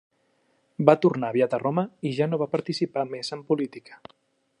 Va tornar aviat a Roma i ja no va participar més en política.